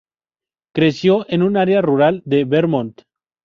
Creció en un área rural de Vermont.